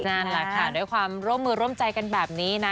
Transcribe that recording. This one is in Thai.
นั่นแหละค่ะด้วยความร่วมมือร่วมใจกันแบบนี้นะ